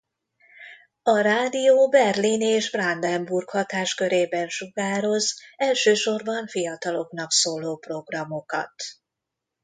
A rádió Berlin és Brandenburg hatáskörében sugároz elsősorban fiataloknak szóló programokat.